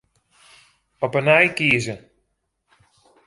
Op 'e nij kieze.